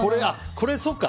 これ、そうか。